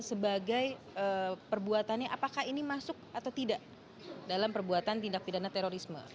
sebagai perbuatannya apakah ini masuk atau tidak dalam perbuatan tindak pidana terorisme